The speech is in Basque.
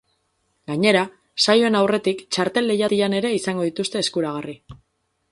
Gainera, saioen aurretik txartel-lehiatilan ere izango dituzte eskuragarri.